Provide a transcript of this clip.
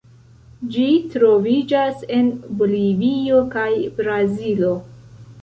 Ĝi troviĝas en Bolivio kaj Brazilo.